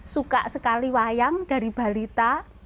suka sekali wayang dari balita